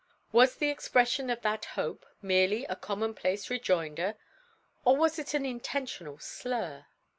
Was the expression of that hope merely a commonplace rejoinder, or was it an intentional slur?